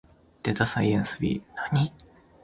データサイエンス B